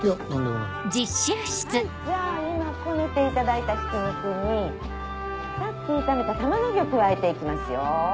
はいじゃあ今こねていただいたひき肉にさっき炒めた玉ねぎを加えて行きますよ。